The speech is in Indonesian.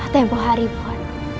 tempoh hari pun